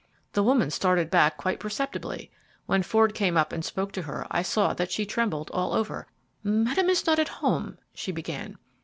The woman started back quite perceptibly. When Ford came up and spoke to her I saw that she trembled all over. "Madame is not at home," she began.